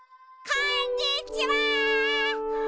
こんにちは！